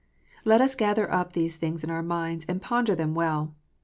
Let us gather up these things in our minds, and ponder them well.